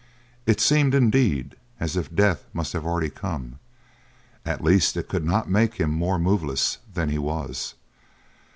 It seemed, indeed, as if death must have already come; at least it could not make him more moveless than he was.